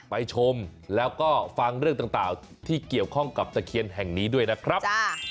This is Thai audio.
ไปชมแล้วก็ฟังเรื่องต่างที่เกี่ยวข้องกับตะเคียนแห่งนี้ด้วยนะครับ